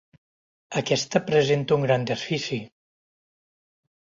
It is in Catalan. Aquesta presenta un gran desfici.